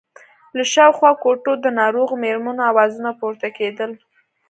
له شاوخوا کوټو د ناروغو مېرمنو آوازونه پورته کېدل.